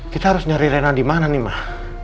kita harus nyari rena dimana nih mah